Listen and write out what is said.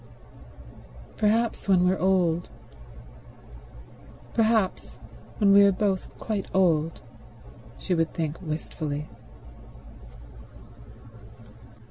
"Perhaps when we're old ... perhaps when we are both quite old ..." she would think wistfully.